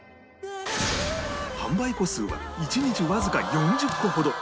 販売個数は１日わずか４０個ほど